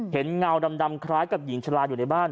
เงาดำคล้ายกับหญิงชะลาอยู่ในบ้าน